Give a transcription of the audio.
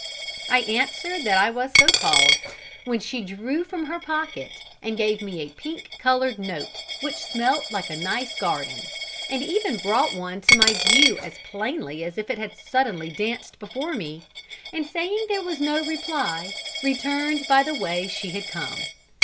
I answered that I was so called, when she drew from her pocket and gave me a pink coloured note, which smelt like a nice garden, and even brought one to my view as plainly as if it had suddenly danced before me, and saying there was no reply, returned by the way she had come.